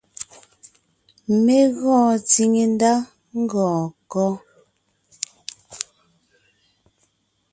Mé gɔɔn tsìŋe ndá ngɔɔn kɔ́?